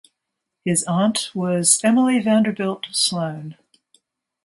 His aunt was Emily Vanderbilt Sloane.